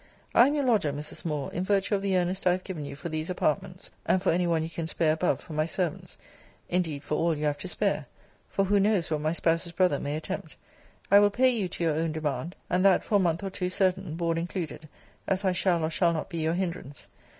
I am your lodger, Mrs. Moore, in virtue of the earnest I have given you for these apartments, and for any one you can spare above for my servants. Indeed for all you have to spare For who knows what my spouse's brother may attempt? I will pay you to your own demand; and that for a month or two certain, (board included,) as I shall or shall not be your hindrance.